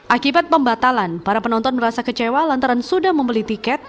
akibat pembatalan para penonton merasa kecewa lantaran sudah membeli tiket